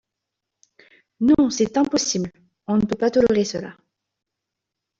Non, c’est impossible ! On ne peut pas tolérer cela.